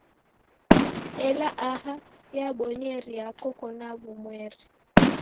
Ela aha, yabonyeria koko na w'umweri.